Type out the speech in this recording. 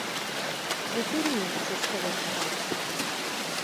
— Әйтер инем сәскәләй ҡыҙын.